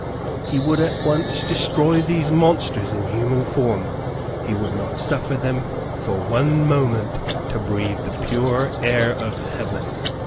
He would at once destroy these monsters in human form; he would not suffer them, for one moment, to breathe the pure air of heaven."